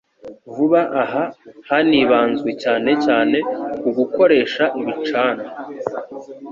Vuba aha, hanibanzwe cyane cyane ku gukoresha ibicanwa